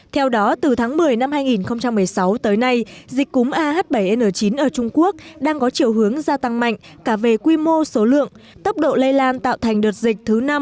theo đó từ tháng một mươi năm hai nghìn một mươi sáu tới nay dịch cúm ah bảy n chín ở trung quốc đang có chiều hướng gia tăng mạnh cả về quy mô số lượng tốc độ lây lan tạo thành đợt dịch thứ năm